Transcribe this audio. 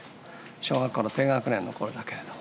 小学校の低学年の頃だけれども。